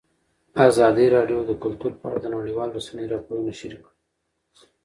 ازادي راډیو د کلتور په اړه د نړیوالو رسنیو راپورونه شریک کړي.